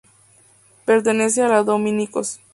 Pertenece a los Dominicos.